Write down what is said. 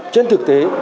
trên thực tế